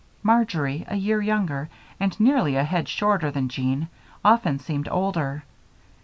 Marjory, a year younger and nearly a head shorter than Jean, often seemed older.